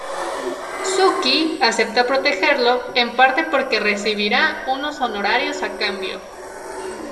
Sookie acepta protegerlo, en parte porque recibirá unos honorarios a cambio.